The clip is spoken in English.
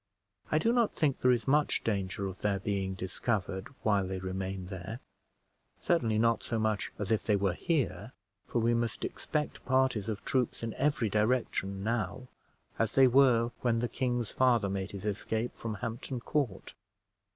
I do not think there is much danger of their being discovered while they remain there, certainly not so much as if they were here; for we must expect parties of troops in every direction now, as they were when the king's father made his escape from Hampton Court.